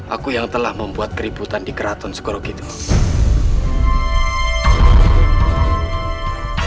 aku yang telah membuat keributan di keraton segorokidul